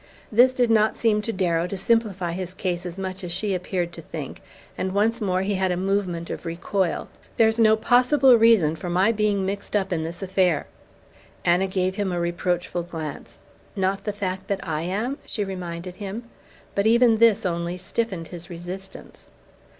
This did not seem to Darrow to simplify his case as much as she appeared to think; and once more he had a movement of recoil. "There's no possible reason for my being mixed up in this affair!" Anna gave him a reproachful glance. "Not the fact that I am?" she reminded him; but even this only stiffened his resistance.